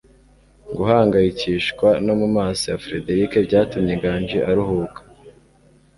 Guhangayikishwa no mu maso ya Frederick byatumye Nganji aruhuka.